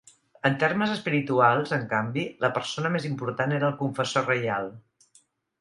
En termes espirituals, en canvi, la persona més important era el confessor reial.